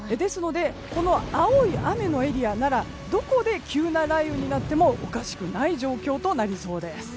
この青い雨のエリアならどこで急な雷雨になってもおかしくない状況となりそうです。